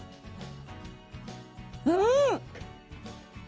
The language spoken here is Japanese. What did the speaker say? うん！